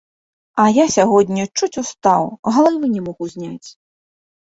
А я сягоння чуць устаў, галавы не мог узняць.